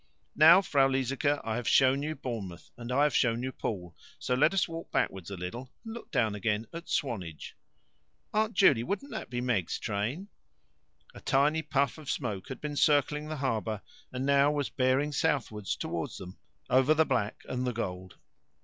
Now, Frau Liesecke, I have shown you Bournemouth, and I have shown you Poole, so let us walk backward a little, and look down again at Swanage." "Aunt Juley, wouldn't that be Meg's train?" A tiny puff of smoke had been circling the harbour, and now was bearing southwards towards them over the black and the gold.